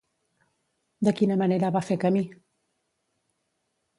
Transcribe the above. De quina manera va fer camí?